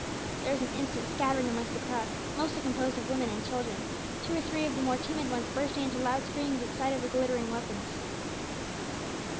There was an instant scattering amongst the crowd, mostly composed of women and children two or three of the more timid ones bursting into loud screams at sight of the glittering weapons.